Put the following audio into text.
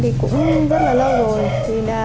thì cũng rất là lâu rồi